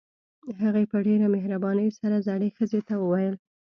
هغې په ډېره مهربانۍ سره زړې ښځې ته وويل.